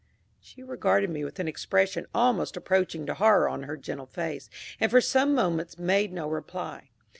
She regarded me with an expression almost approaching to horror on her gentle face, and for some moments made no reply.